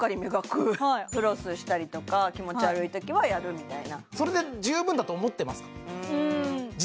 フロスしたりとか気持ち悪いときはやるみたいなそれで十分だと思ってますか？